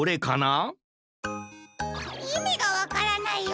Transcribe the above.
いみがわからないよ。